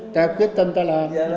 ta quyết tâm ta làm